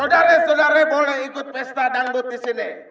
sudara sudara boleh ikut pesta dangdut disini